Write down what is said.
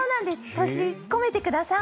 閉じ込めてください。